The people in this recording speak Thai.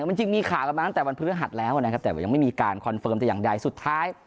มันจึงมีข่าวกันมาตั้งแต่วันพฤหัสแล้วนะครับแต่ว่ายังไม่มีการคอนเฟิร์มแต่อย่างใดสุดท้าย